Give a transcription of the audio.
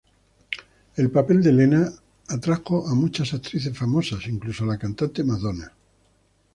El papel de Helena atrajo a muchas actrices famosas, incluso a la cantante Madonna.